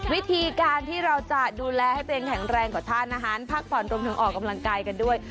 วิธีการที่เราจะดูแลให้ตัวเองแข็งแรงกว่าทานอาหารพักผ่อนรวมถึงออกกำลังกายกันด้วย